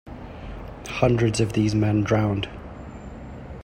Hundreds of these men drowned.